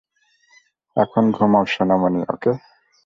এখন ঘুমাও, সোনামণি ওকে?